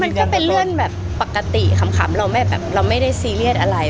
มันก็เป็นเรื่องแบบปกติขำเราไม่ได้ซีเรียสอะไร